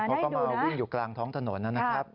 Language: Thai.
เขาก็มาวิ่งอยู่กลางท้องถนนนะครับ